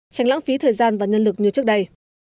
tránh lãng phí thời gian và nhân lực như trước đây